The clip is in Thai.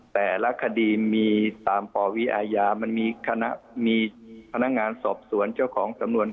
แต่ละคดีมีตามปวิอาญามันมีคณะมีพนักงานสอบสวนเจ้าของสำนวน